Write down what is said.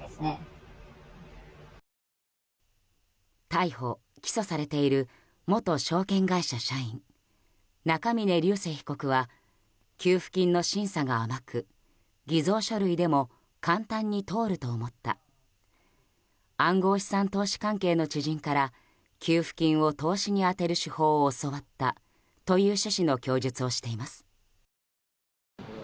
逮捕・起訴されている元証券会社社員、中峯竜晟被告は給付金の審査が甘く偽造書類でも簡単に通ると思った暗号資産投資関係の知人から給付金を投資に充てる手法を教わったという趣旨の供述をしています。